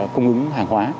cung ứng hàng hóa